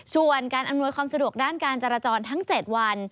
ส่วนการอำนวยความสะดวกด้านการจราจรทั้ง๗วัน